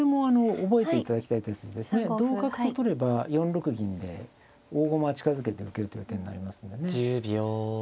同角と取れば４六銀で大駒は近づけて受けるという手になりますんでね。